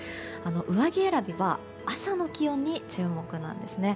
上着選びは朝の気温に注目なんですね。